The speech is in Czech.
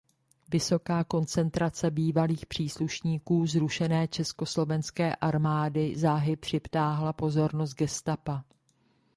Vysoká koncentrace bývalých příslušníků zrušené Československé armády záhy přitáhla pozornost gestapa.